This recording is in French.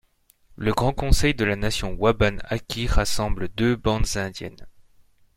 Le Grand Conseil de la Nation Waban-Aki rassemble deux bandes indiennes.